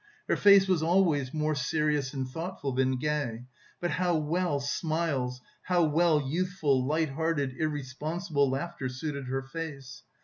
Her face was always more serious and thoughtful than gay; but how well smiles, how well youthful, lighthearted, irresponsible, laughter suited her face!